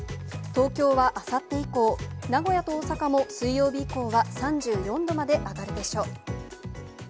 東京はあさって以降、名古屋と大阪も水曜日以降は３４度まで上がるでしょう。